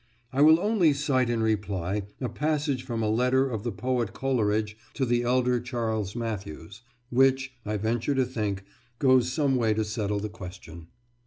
I will only cite in reply a passage from a letter of the poet Coleridge to the elder Charles Mathews, which, I venture to think, goes some way to settle the question.